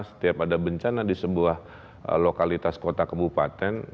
setiap ada bencana di sebuah lokalitas kota kebupaten